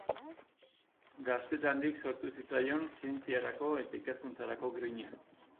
Gaztetandik sortu zitzaion zientziarako eta ikerkuntzarako grina.